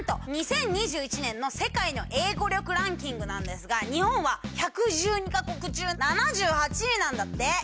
２０２１年の世界の英語力ランキングなんですが日本は１１２か国中７８位なんだって。